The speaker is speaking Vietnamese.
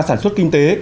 sản xuất kinh tế